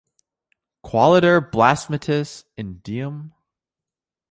Qualiter blasphematis in Deum?